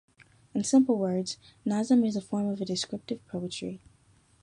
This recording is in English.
In simple words, Nazm is a form of a descriptive poetry.